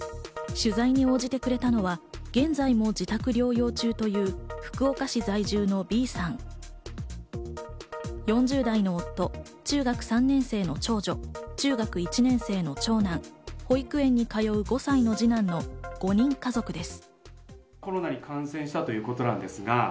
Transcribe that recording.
取材に応じてくれたのは現在も自宅療養中という福岡市在住のＢさん、４０代の夫、中学３年生の長女、中学１年生の長男、保育園に通う５歳の二男の５人家族です。